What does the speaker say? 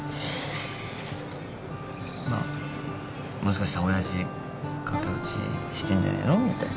まあもしかしたら親父駆け落ちしてんじゃねえの？みたいな。